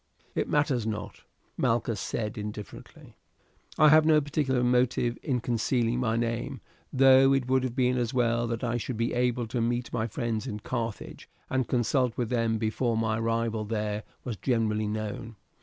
"It matters not," Malchus said indifferently; "I have no particular motive in concealing my name, though it would have been as well that I should be able to meet my friends in Carthage and consult with them before my arrival there was generally known.